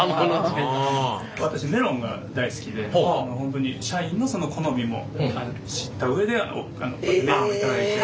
私メロンが大好きで本当に社員の好みも知った上でメロンを頂いて。